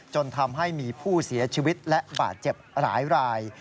จนทำให้มีผู้เสียชีวิตและบาดเจ็บหลายราย